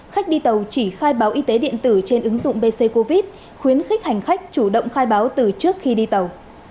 khách đi tàu chỉ khai báo y tế điện tử trên ứng dụng bc covid khuyến khích hành khách chủ động khai báo từ trước khi đi tàu